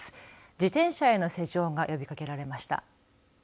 自転車への施錠が呼びかけられました。